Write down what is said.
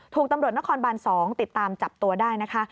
ถูกตำรวจนครบาน๒ติดตามจับตัวได้นะคะ